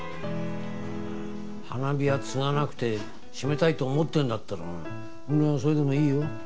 花火屋継がなくて閉めたいと思ってるんだったら俺はそれでもいいよ。